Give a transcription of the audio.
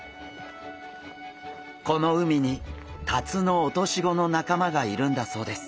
この海にタツノオトシゴの仲間がいるんだそうです。